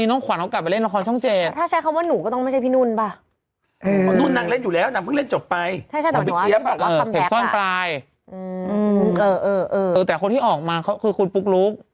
พี่หนุนเหรอมีเวอร์ชันหรอคุณปุ๊กลุ๊กหรือเวอร์ชันหนุนนะปุ๊กลุ๊ก